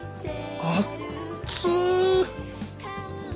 あっつ！